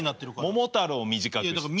「桃太郎」を短くして。